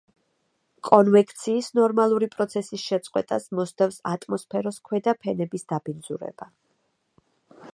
კონვექციის ნორმალური პროცესის შეწყვეტას მოსდევს ატმოსფეროს ქვედა ფენების დაბინძურება.